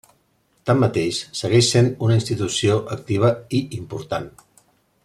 Tanmateix, segueix sent una institució activa i important.